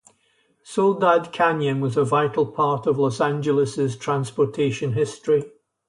Soledad Canyon was a vital part of Los Angeles' transportation history.